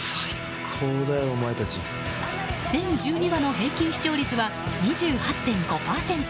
全１２話の平均視聴率は２８．５％。